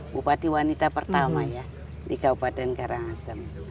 bupati wanita pertama ya di kabupaten karangasem